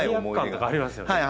罪悪感とかありますよね。